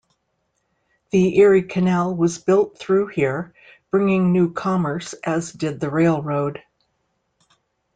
The Erie Canal was built through here, bringing new commerce, as did the railroad.